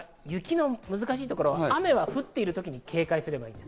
雪の難しいところは、雨が降っている時は警戒すればいいです。